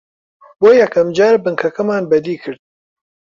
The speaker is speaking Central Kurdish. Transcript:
بۆ یەکەم جار بنکەکەمان بەدی کرد